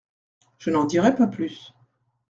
Je n'en dirai pas plus.